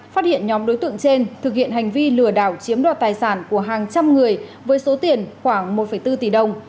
phát hiện nhóm đối tượng trên thực hiện hành vi lừa đảo chiếm đoạt tài sản của hàng trăm người với số tiền khoảng một bốn tỷ đồng